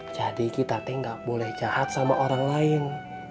jadi kita teh nggak boleh jahat sama orang lain